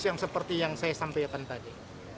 yang seperti yang saya sampaikan tadi